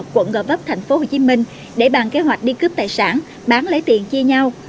quận gò vấp tp hcm để bàn kế hoạch đi cướp tài sản bán lấy tiền chia nhau